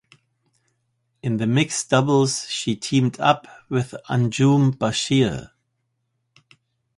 In the mixed doubles she teamed up with Anjum Bashir.